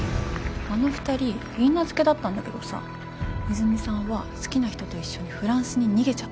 あの２人いいなずけだったんだけどさ泉さんは好きな人と一緒にフランスに逃げちゃったの。